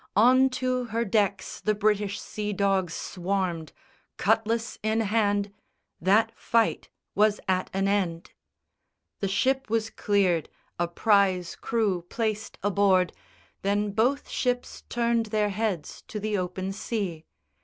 On to her decks the British sea dogs swarmed, Cutlass in hand: that fight was at an end. The ship was cleared, a prize crew placed a board, Then both ships turned their heads to the open sea.